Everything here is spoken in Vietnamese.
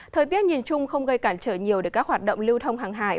thời tiết nhìn chung không gây cản trở nhiều để các hoạt động lưu thông hàng hải